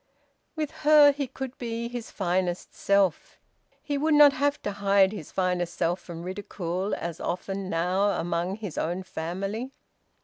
With her he could be his finest self. He would not have to hide his finest self from ridicule, as often now, among his own family.